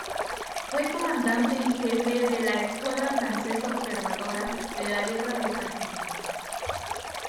Fue comandante en jefe de la escuadra francesa observadora de la guerra del Pacífico.